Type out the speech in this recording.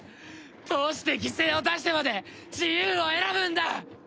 どうして犠牲を出してまで自由を選ぶんだ！？